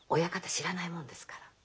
知らないもんですから。